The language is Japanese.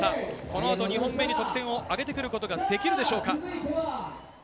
この後、２本目に得点を上げてくることができるでしょうか？